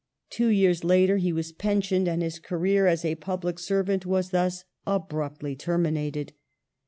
Two years later he was pensioned, and his career as a public servant was thus abruptly terminated.